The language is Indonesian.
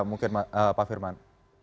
mungkin pak firman